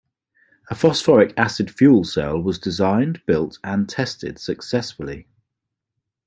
A phosphoric acid fuel cell was designed, built, and tested successfully.